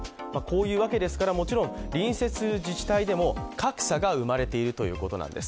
こういうわけですから、もちろん隣接する自治体でも格差が生まれているというわけなんです。